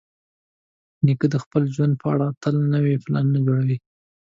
نیکه د خپل ژوند په اړه تل نوي پلانونه جوړوي.